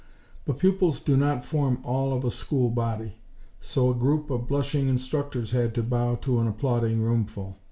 But pupils do not form all of a school body; so a group of blushing instructors had to bow to an applauding roomful.